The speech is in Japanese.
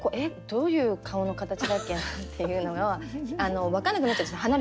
どういう顔の形だっけなっていうのが分かんなくなっちゃうんですね